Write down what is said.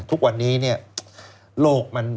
ทุกวันนี้เนี่ยโลกมัน